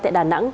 tại đà nẵng